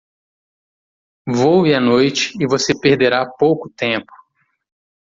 Voe à noite e você perderá pouco tempo.